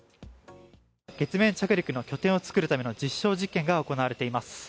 月面着陸の拠点を作るための実証実験が行われています。